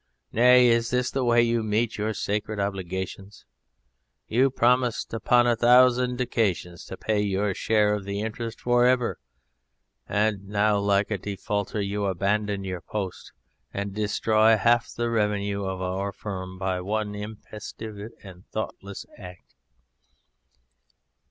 Nay, is this the way you meet your sacred obligations? You promised upon a thousand occasions to pay your share of the interest for ever, and now like a defaulter you abandon your post and destroy half the revenue of our firm by one intempestive and thoughtless act!